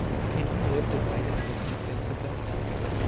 Can he live delighted when he thinks of that?